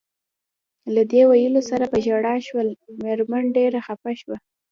له دې ویلو سره په ژړا شول، مېرمن ډېره خپه شوه.